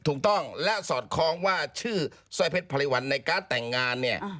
ถูกต้องและสอดคล้องว่าชื่อสร้อยเพชรพริวัลในการ์ดแต่งงานเนี่ย